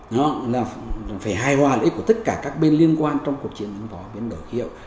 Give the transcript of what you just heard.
nó là phải hài hòa lợi ích của tất cả các bên liên quan trong cuộc chiến ứng phó biến đổi khí hậu